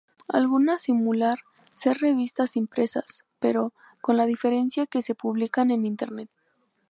Algunas simular ser revistas impresas, pero, con la diferencia que se publican en Internet.